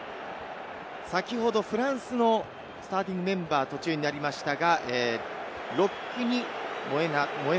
先ほどフランスのスターティングメンバー、途中になりましたが。